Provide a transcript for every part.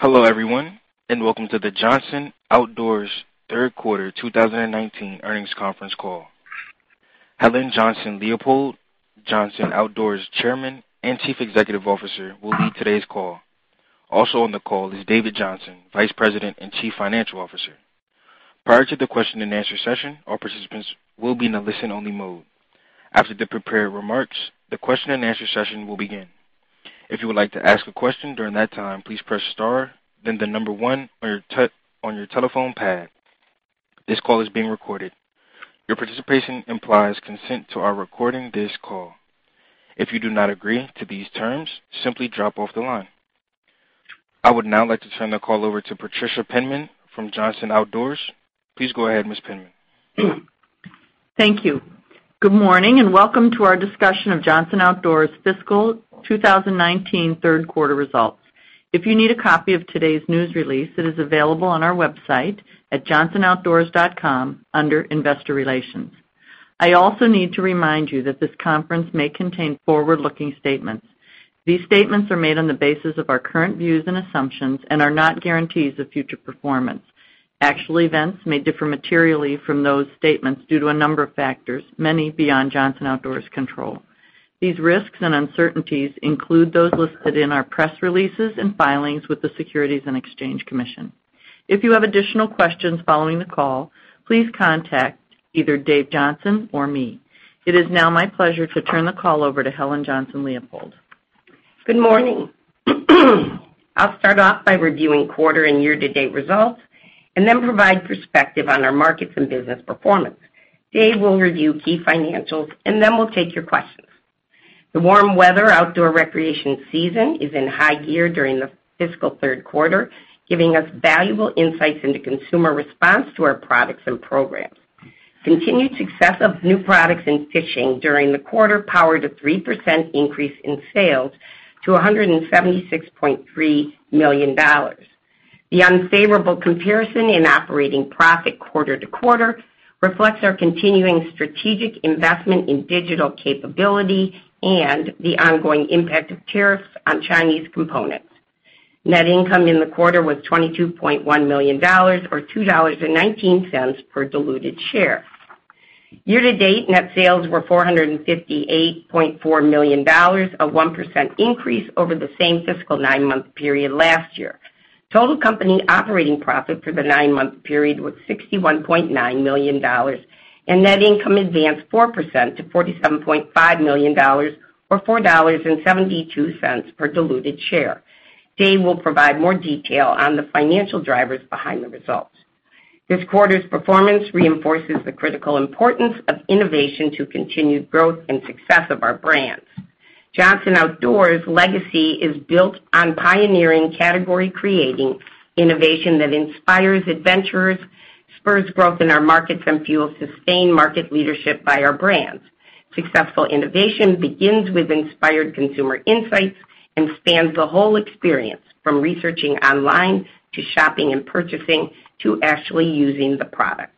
Hello, everyone, welcome to the Johnson Outdoors third quarter 2019 earnings conference call. Helen Johnson-Leipold, Johnson Outdoors Chairman and Chief Executive Officer, will lead today's call. Also on the call is David Johnson, Vice President and Chief Financial Officer. Prior to the question and answer session, all participants will be in a listen-only mode. After the prepared remarks, the question and answer session will begin. If you would like to ask a question during that time, please press star then the number one on your telephone pad. This call is being recorded. Your participation implies consent to our recording this call. If you do not agree to these terms, simply drop off the line. I would now like to turn the call over to Patricia Penman from Johnson Outdoors. Please go ahead, Ms. Penman. Thank you. Good morning, and welcome to our discussion of Johnson Outdoors' fiscal 2019 third quarter results. If you need a copy of today's news release, it is available on our website at johnsonoutdoors.com under Investor Relations. I also need to remind you that this conference may contain forward-looking statements. These statements are made on the basis of our current views and assumptions and are not guarantees of future performance. Actual events may differ materially from those statements due to a number of factors, many beyond Johnson Outdoors' control. These risks and uncertainties include those listed in our press releases and filings with the Securities and Exchange Commission. If you have additional questions following the call, please contact either Dave Johnson or me. It is now my pleasure to turn the call over to Helen Johnson-Leipold. Good morning. I'll start off by reviewing quarter and year-to-date results and then provide perspective on our markets and business performance. Dave will review key financials, and then we'll take your questions. The warm weather outdoor recreation season is in high gear during the fiscal third quarter, giving us valuable insights into consumer response to our products and programs. Continued success of new products in fishing during the quarter powered a 3% increase in sales to $176.3 million. The unfavorable comparison in operating profit quarter to quarter reflects our continuing strategic investment in digital capability and the ongoing impact of tariffs on Chinese components. Net income in the quarter was $22.1 million, or $2.19 per diluted share. Year to date, net sales were $458.4 million, a 1% increase over the same fiscal nine-month period last year. Total company operating profit for the nine-month period was $61.9 million, and net income advanced 4% to $47.5 million, or $4.72 per diluted share. Dave will provide more detail on the financial drivers behind the results. This quarter's performance reinforces the critical importance of innovation to continued growth and success of our brands. Johnson Outdoors' legacy is built on pioneering category-creating innovation that inspires adventurers, spurs growth in our markets, and fuels sustained market leadership by our brands. Successful innovation begins with inspired consumer insights and spans the whole experience, from researching online to shopping and purchasing, to actually using the product.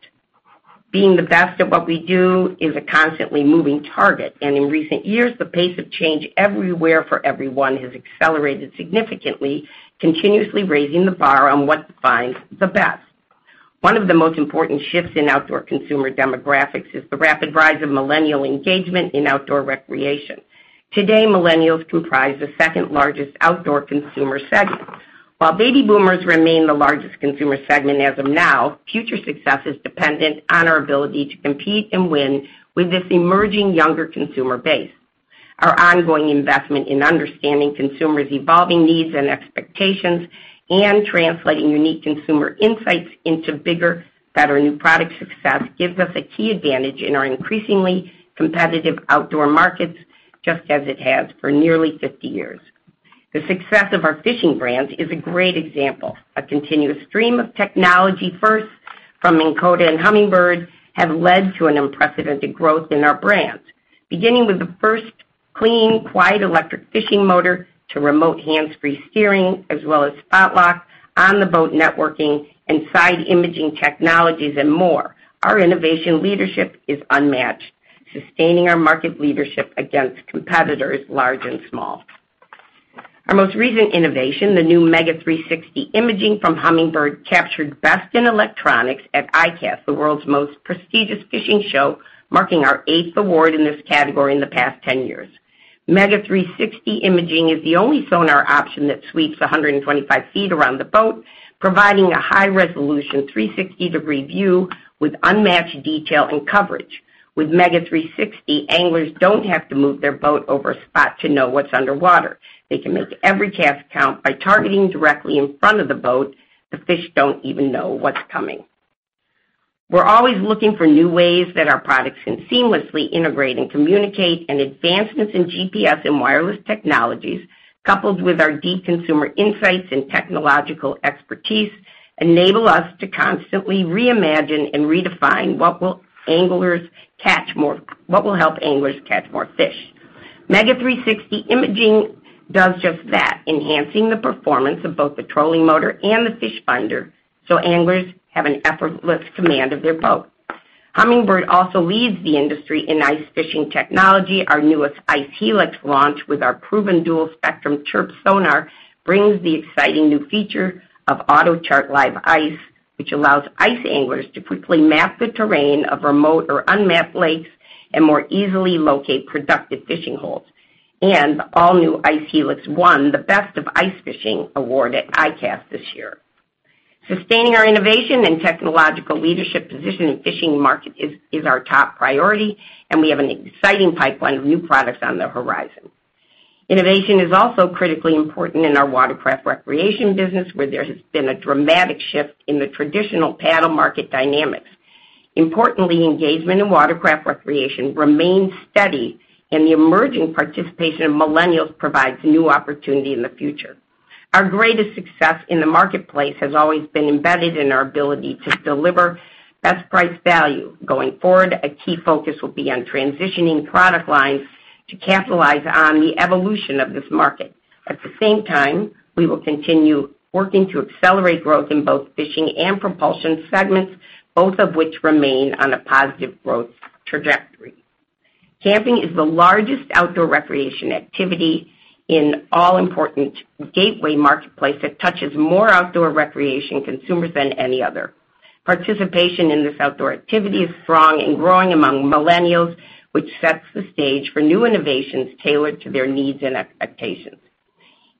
Being the best at what we do is a constantly moving target, and in recent years, the pace of change everywhere for everyone has accelerated significantly, continuously raising the bar on what defines the best. One of the most important shifts in outdoor consumer demographics is the rapid rise of millennial engagement in outdoor recreation. Today, millennials comprise the second-largest outdoor consumer segment. While baby boomers remain the largest consumer segment as of now, future success is dependent on our ability to compete and win with this emerging younger consumer base. Our ongoing investment in understanding consumers' evolving needs and expectations and translating unique consumer insights into bigger, better new product success gives us a key advantage in our increasingly competitive outdoor markets, just as it has for nearly 50 years. The success of our fishing brands is a great example. A continuous stream of technology firsts from Minn Kota and Humminbird have led to an unprecedented growth in our brands. Beginning with the first clean, quiet electric fishing motor to remote hands-free steering, as well as Spot-Lock, on-the-boat networking, and Side Imaging technologies and more, our innovation leadership is unmatched, sustaining our market leadership against competitors large and small. Our most recent innovation, the new MEGA 360 Imaging from Humminbird, captured Best in Electronics at ICAST, the world's most prestigious fishing show, marking our eighth award in this category in the past 10 years. MEGA 360 Imaging is the only sonar option that sweeps 125 feet around the boat, providing a high-resolution 360-degree view with unmatched detail and coverage. With MEGA 360, anglers don't have to move their boat over a spot to know what's underwater. They can make every cast count by targeting directly in front of the boat. The fish don't even know what's coming. We're always looking for new ways that our products can seamlessly integrate and communicate. Advancements in GPS and wireless technologies, coupled with our deep consumer insights and technological expertise, enable us to constantly reimagine and redefine what will help anglers catch more fish. MEGA 360 Imaging does just that, enhancing the performance of both the trolling motor and the fish finder so anglers have an effortless command of their boat. Humminbird also leads the industry in ice fishing technology. Our newest ICE HELIX launch with our proven Dual Spectrum CHIRP sonar brings the exciting new feature of AutoChart Live Ice, which allows ice anglers to quickly map the terrain of remote or unmapped lakes and more easily locate productive fishing holes. The all-new ICE HELIX won the Best of Ice Fishing award at ICAST this year. Sustaining our innovation and technological leadership position in the fishing market is our top priority, and we have an exciting pipeline of new products on the horizon. Innovation is also critically important in our watercraft recreation business, where there has been a dramatic shift in the traditional paddle market dynamics. Importantly, engagement in watercraft recreation remains steady, and the emerging participation of millennials provides new opportunity in the future. Our greatest success in the marketplace has always been embedded in our ability to deliver best price value. Going forward, a key focus will be on transitioning product lines to capitalize on the evolution of this market. At the same time, we will continue working to accelerate growth in both fishing and propulsion segments, both of which remain on a positive growth trajectory. Camping is the largest outdoor recreation activity in all important gateway marketplace that touches more outdoor recreation consumers than any other. Participation in this outdoor activity is strong and growing among millennials, which sets the stage for new innovations tailored to their needs and expectations.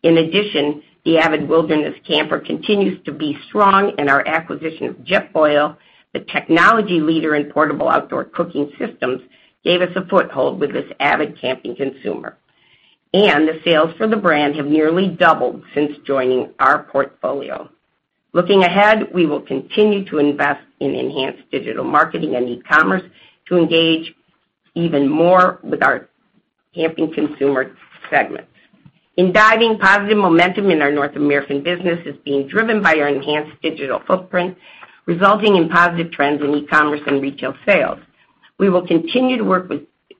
In addition, the avid wilderness camper continues to be strong, our acquisition of Jetboil, the technology leader in portable outdoor cooking systems, gave us a foothold with this avid camping consumer. The sales for the brand have nearly doubled since joining our portfolio. Looking ahead, we will continue to invest in enhanced digital marketing and e-commerce to engage even more with our camping consumer segment. In diving, positive momentum in our North American business is being driven by our enhanced digital footprint, resulting in positive trends in e-commerce and retail sales. We will continue to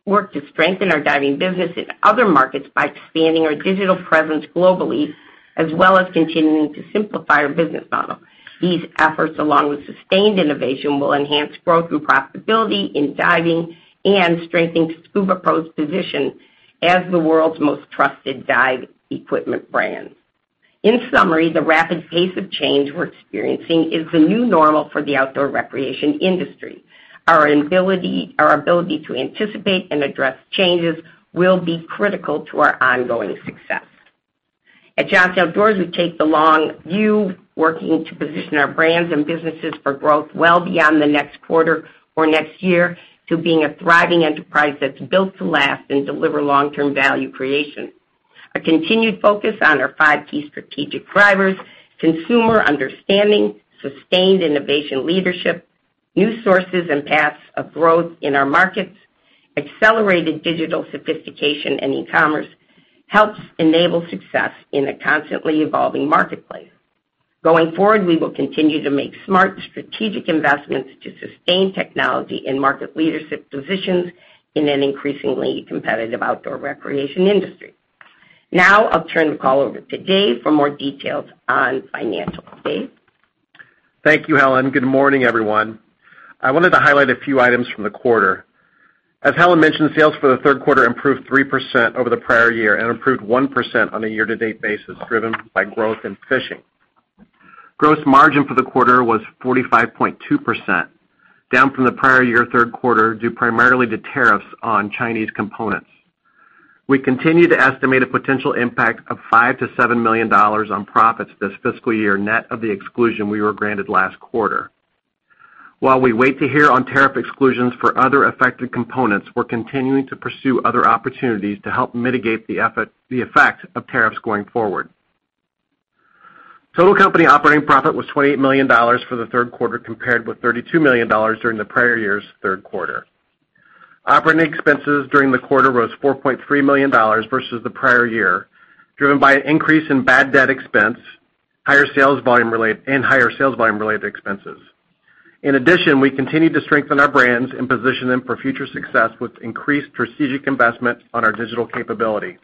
work to strengthen our diving business in other markets by expanding our digital presence globally, as well as continuing to simplify our business model. These efforts, along with sustained innovation, will enhance growth and profitability in diving and strengthen SCUBAPRO's position as the world's most trusted dive equipment brand. In summary, the rapid pace of change we're experiencing is the new normal for the outdoor recreation industry. Our ability to anticipate and address changes will be critical to our ongoing success. At Johnson Outdoors, we take the long view, working to position our brands and businesses for growth well beyond the next quarter or next year to being a thriving enterprise that's built to last and deliver long-term value creation. A continued focus on our five key strategic drivers, consumer understanding, sustained innovation leadership, new sources and paths of growth in our markets, accelerated digital sophistication and e-commerce, helps enable success in a constantly evolving marketplace. Going forward, we will continue to make smart strategic investments to sustain technology and market leadership positions in an increasingly competitive outdoor recreation industry. Now, I'll turn the call over to Dave for more details on financials. Dave? Thank you, Helen. Good morning, everyone. I wanted to highlight a few items from the quarter. As Helen mentioned, sales for the third quarter improved 3% over the prior year and improved 1% on a year-to-date basis, driven by growth in fishing. Gross margin for the quarter was 45.2%, down from the prior year third quarter due primarily to tariffs on Chinese components. We continue to estimate a potential impact of $5 million-$7 million on profits this fiscal year, net of the exclusion we were granted last quarter. While we wait to hear on tariff exclusions for other affected components, we're continuing to pursue other opportunities to help mitigate the effect of tariffs going forward. Total company operating profit was $28 million for the third quarter, compared with $32 million during the prior year's third quarter. Operating expenses during the quarter rose $4.3 million versus the prior year, driven by an increase in bad debt expense and higher sales volume-related expenses. We continue to strengthen our brands and position them for future success with increased strategic investment on our digital capability.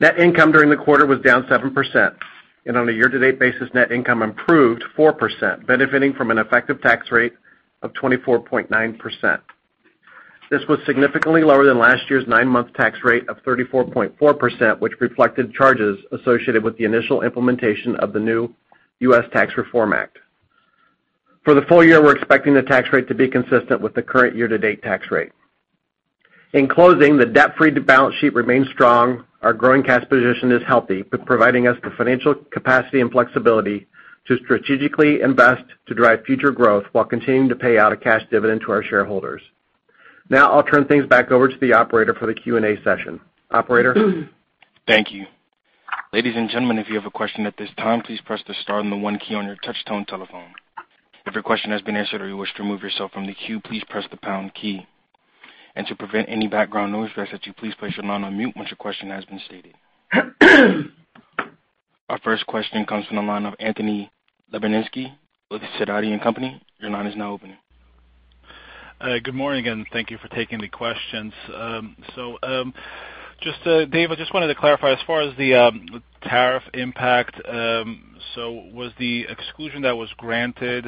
Net income during the quarter was down 7%. On a year-to-date basis, net income improved 4%, benefiting from an effective tax rate of 24.9%. This was significantly lower than last year's nine-month tax rate of 34.4%, which reflected charges associated with the initial implementation of the new U.S. Tax Reform Act. For the full year, we're expecting the tax rate to be consistent with the current year-to-date tax rate. In closing, the debt-free balance sheet remains strong. Our growing cash position is healthy, providing us the financial capacity and flexibility to strategically invest to drive future growth while continuing to pay out a cash dividend to our shareholders. Now I'll turn things back over to the operator for the Q&A session. Operator? Thank you. Ladies and gentlemen, if you have a question at this time, please press the star and the one key on your touch-tone telephone. If your question has been answered or you wish to remove yourself from the queue, please press the pound key. To prevent any background noise, we ask that you please place your line on mute once your question has been stated. Our first question comes from the line of Anthony Lebiedzinski with Sidoti & Company. Your line is now open. Good morning, and thank you for taking the questions. Just, Dave, I just wanted to clarify as far as the tariff impact, so was the exclusion that was granted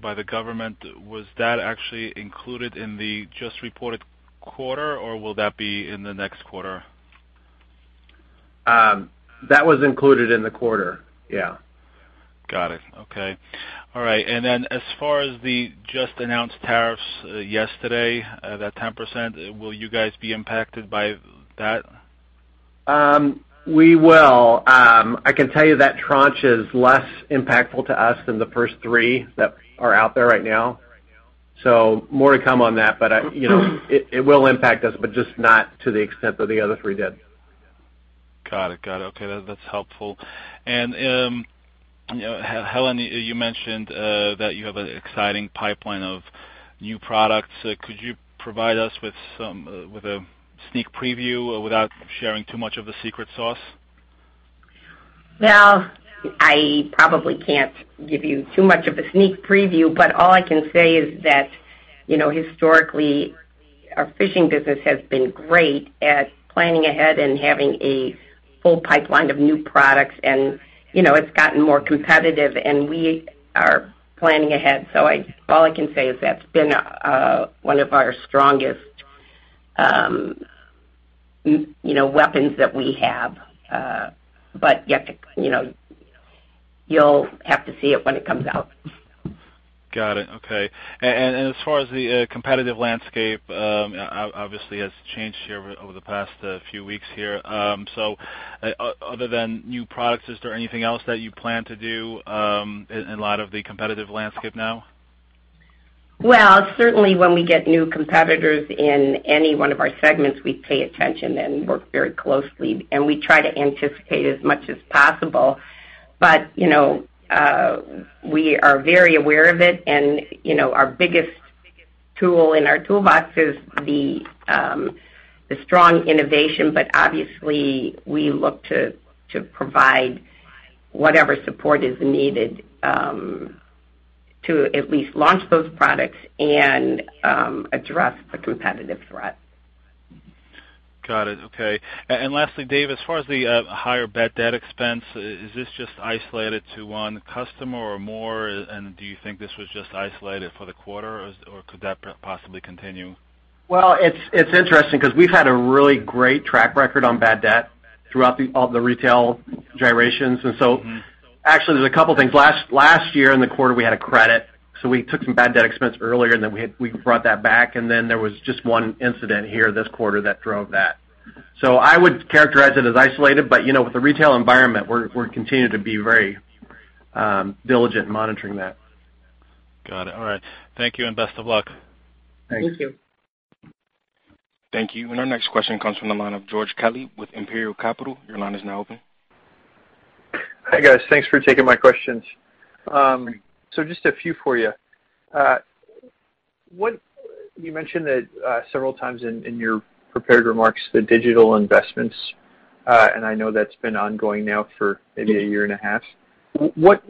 by the government, was that actually included in the just reported quarter, or will that be in the next quarter? That was included in the quarter, yeah. Got it. Okay. All right. As far as the just announced tariffs yesterday, that 10%, will you guys be impacted by that? We will. I can tell you that tranche is less impactful to us than the first three that are out there right now. More to come on that, but it will impact us, but just not to the extent that the other three did. Got it. Okay. That's helpful. Helen, you mentioned that you have an exciting pipeline of new products. Could you provide us with a sneak preview without sharing too much of the secret sauce? Well, I probably can't give you too much of a sneak preview, but all I can say is that historically, our fishing business has been great at planning ahead and having a full pipeline of new products and it's gotten more competitive, and we are planning ahead. All I can say is that's been one of our strongest weapons that we have. You'll have to see it when it comes out. Got it. Okay. As far as the competitive landscape, obviously has changed here over the past few weeks. Other than new products, is there anything else that you plan to do in light of the competitive landscape now? Well, certainly when we get new competitors in any one of our segments, we pay attention and work very closely, and we try to anticipate as much as possible. We are very aware of it, and our biggest tool in our toolbox is the strong innovation. Obviously, we look to provide whatever support is needed, to at least launch those products and address the competitive threat. Got it. Okay. Lastly, Dave, as far as the higher bad debt expense, is this just isolated to one customer or more? Do you think this was just isolated for the quarter, or could that possibly continue? Well, it's interesting because we've had a really great track record on bad debt throughout all the retail gyrations. Actually, there's a couple things. Last year in the quarter, we had a credit, so we took some bad debt expense earlier, and then we brought that back, and then there was just one incident here this quarter that drove that. I would characterize it as isolated, but with the retail environment, we're continuing to be very diligent in monitoring that. Got it. All right. Thank you, and best of luck. Thanks. Thank you. Thank you. Our next question comes from the line of George Kelly with Imperial Capital. Your line is now open. Hi, guys. Thanks for taking my questions. Just a few for you. You mentioned that several times in your prepared remarks, the digital investments, and I know that's been ongoing now for maybe a year and a half. What's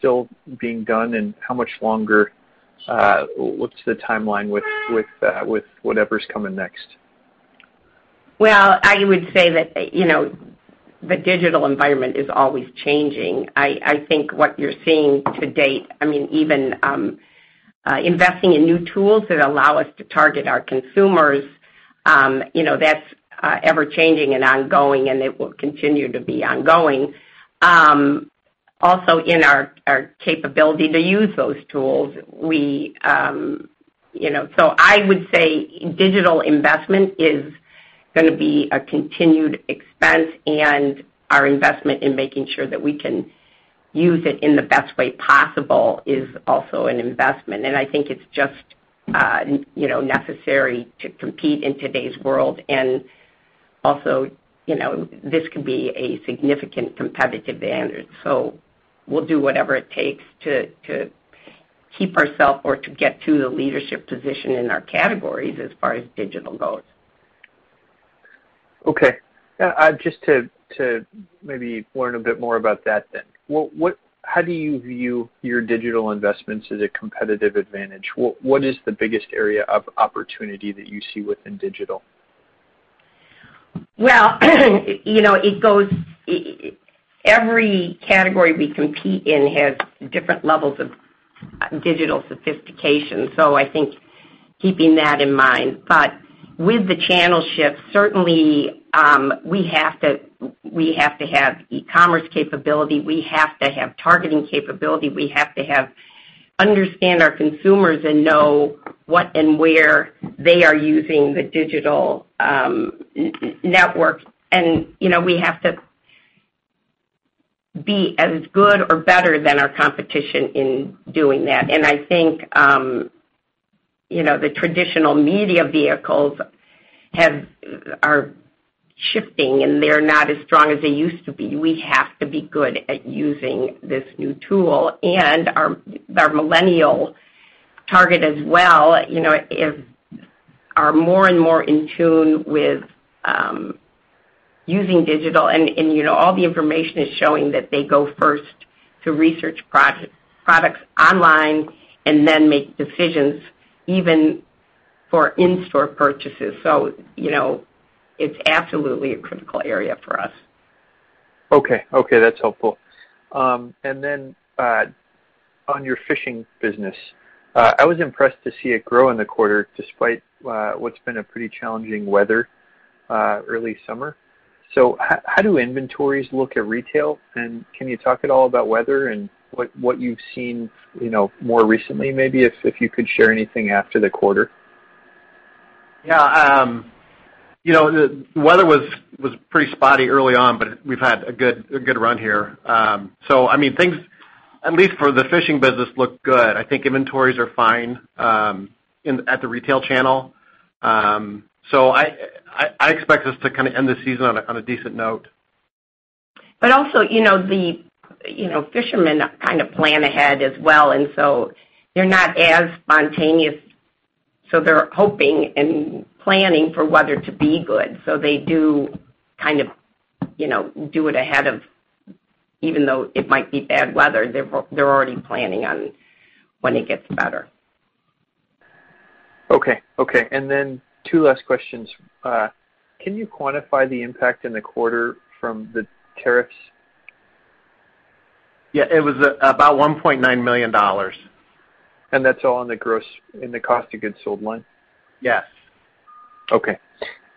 still being done, and how much longer? What's the timeline with whatever's coming next? Well, I would say that the digital environment is always changing. I think what you're seeing to date, even investing in new tools that allow us to target our consumers, that's ever-changing and ongoing, and it will continue to be ongoing. In our capability to use those tools. I would say digital investment is going to be a continued expense, and our investment in making sure that we can use it in the best way possible is also an investment. I think it's just necessary to compete in today's world. This could be a significant competitive advantage. We'll do whatever it takes to keep ourself or to get to the leadership position in our categories as far as digital goes. Just to maybe learn a bit more about that then, how do you view your digital investments as a competitive advantage? What is the biggest area of opportunity that you see within digital? Well, every category we compete in has different levels of digital sophistication. I think keeping that in mind, but with the channel shift, certainly, we have to have e-commerce capability. We have to have targeting capability. We have to understand our consumers and know what and where they are using the digital network. We have to be as good or better than our competition in doing that. I think the traditional media vehicles are shifting, and they're not as strong as they used to be. We have to be good at using this new tool and our millennial target as well are more and more in tune with using digital, and all the information is showing that they go first to research products online and then make decisions even for in-store purchases. It's absolutely a critical area for us. Okay. That's helpful. On your fishing business, I was impressed to see it grow in the quarter despite what's been a pretty challenging weather early summer. How do inventories look at retail? Can you talk at all about weather and what you've seen more recently, maybe, if you could share anything after the quarter? The weather was pretty spotty early on, but we've had a good run here. Things, at least for the fishing business, look good. I think inventories are fine at the retail channel. I expect us to end the season on a decent note. Also, the fishermen kind of plan ahead as well, and so they're not as spontaneous. They're hoping and planning for weather to be good. They do it ahead of even though it might be bad weather, they're already planning on when it gets better. Okay. Two last questions. Can you quantify the impact in the quarter from the tariffs? Yeah. It was about $1.9 million. That's all in the Cost of Goods Sold line? Yes. Okay.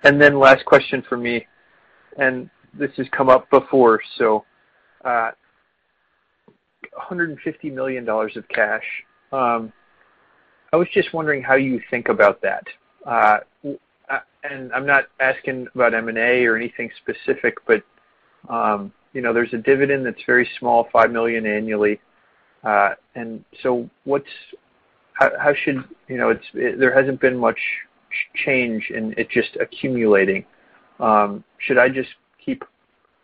Last question for me, and this has come up before, so $150 million of cash. I was just wondering how you think about that. I'm not asking about M&A or anything specific, but there's a dividend that's very small, $5 million annually. There hasn't been much change, and it's just accumulating. Should I just keep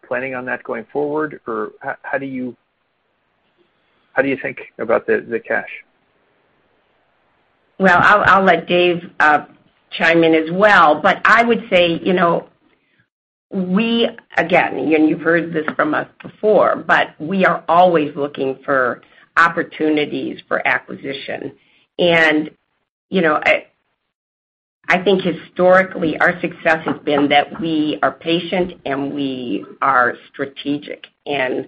planning on that going forward? Or how do you think about the cash? Well, I'll let Dave chime in as well. I would say, we, again, you've heard this from us before, we are always looking for opportunities for acquisition. I think historically, our success has been that we are patient, and we are strategic. I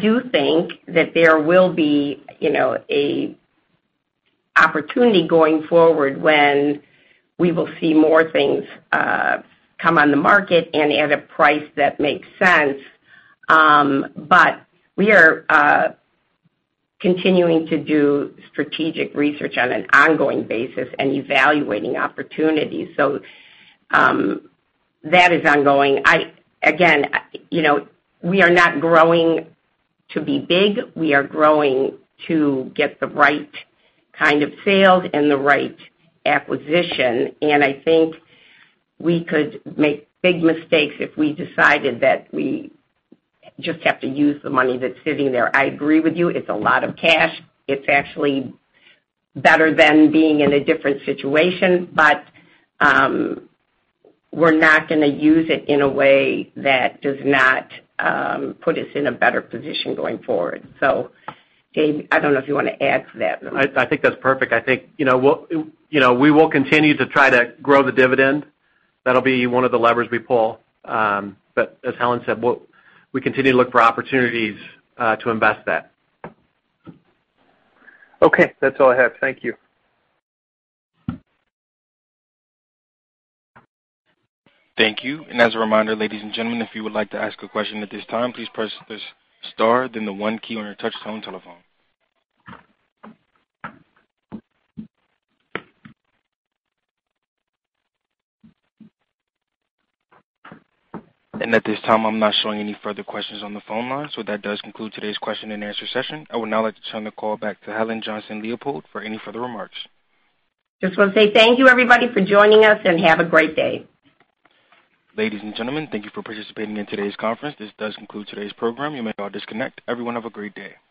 do think that there will be an opportunity going forward when we will see more things come on the market and at a price that makes sense. We are continuing to do strategic research on an ongoing basis and evaluating opportunities. That is ongoing. Again, we are not growing to be big. We are growing to get the right kind of sales and the right acquisition, and I think we could make big mistakes if we decided that we just have to use the money that's sitting there. I agree with you. It's a lot of cash. It's actually better than being in a different situation, but we're not going to use it in a way that does not put us in a better position going forward. Dave, I don't know if you want to add to that. I think that's perfect. I think we will continue to try to grow the dividend. That'll be one of the levers we pull. As Helen said, we continue to look for opportunities to invest that. Okay. That's all I have. Thank you. Thank you. As a reminder, ladies and gentlemen, if you would like to ask a question at this time, please press the star then the one key on your touchtone telephone. At this time, I'm not showing any further questions on the phone line, that does conclude today's question and answer session. I would now like to turn the call back to Helen Johnson-Leipold for any further remarks. Just want to say thank you, everybody, for joining us, and have a great day. Ladies and gentlemen, thank you for participating in today's conference. This does conclude today's program. You may all disconnect. Everyone have a great day.